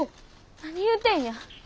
何言うてんや。